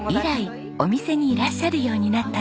以来お店にいらっしゃるようになったんです。